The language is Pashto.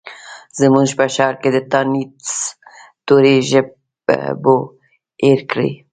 زموږ په ښارکې د تانیث توري ژبو هیر کړي